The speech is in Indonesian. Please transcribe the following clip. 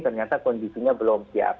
ternyata kondisinya belum siap